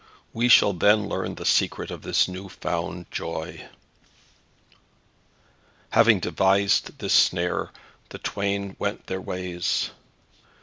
We shall then learn the secret of this new found joy." Having devised this snare the twain went their ways.